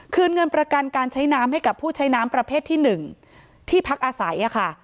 เงินประกันการใช้น้ำให้กับผู้ใช้น้ำประเภทที่๑ที่พักอาศัยค่ะ